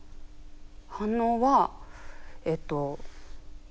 反応はえっと友達。